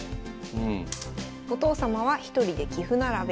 お父様は１人で棋譜並べ。